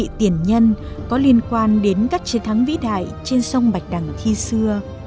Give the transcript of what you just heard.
vị tiền nhân có liên quan đến các chiến thắng vĩ đại trên sông vạch đằng khi xưa